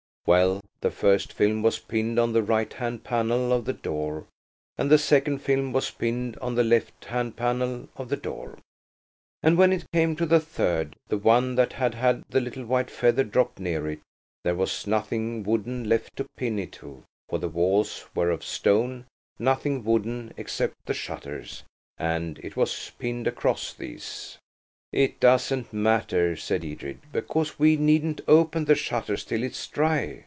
Well, the first film was pinned on the right hand panel of the door and the second film was pinned on the left hand panel of the door. And when it came to the third, the one that had had the little white feather dropped near it, there was nothing wooden left to pin it to–for the walls were of stone–nothing wooden except the shutters. And it was pinned across these. "It doesn't matter," said Edred, "because we needn't open the shutters till it's dry."